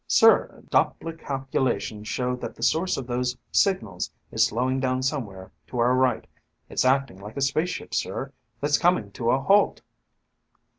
"Sir, Doppler calculations show that the source of those signals is slowing down somewhere to our right. It's acting like a spaceship, sir, that's coming to a halt."